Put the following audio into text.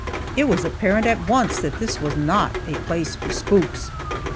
It was apparent at once that this was not a place for spooks!